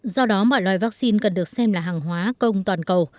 do đó mọi loại vaccine cần được xem là hàng hóa công toàn cầu